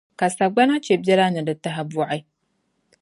Ka sagbana chɛ biɛla ni di tahibɔɣi.